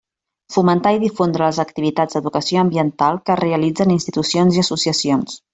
Fomentar i difondre les activitats d'educació ambiental que realitzen institucions i associacions.